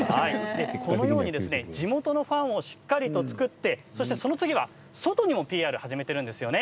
このように地元のファンをしっかりと作って外にもＰＲを始めているんですね。